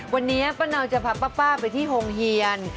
วันนี้ป้าเนาจะพาป้าไปที่โฮงเฮียน